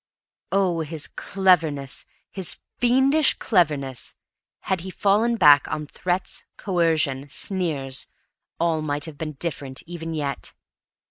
Oh, his cleverness! His fiendish cleverness! Had he fallen back on threats, coercion, sneers, all might have been different even yet.